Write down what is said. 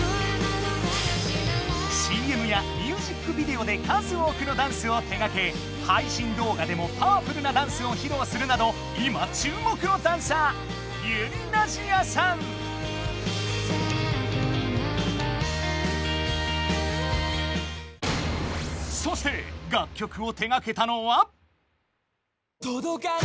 ＣＭやミュージックビデオで数多くのダンスを手がけ配信動画でもパワフルなダンスをひろうするなど今注目のダンサーそして楽曲を手がけたのは。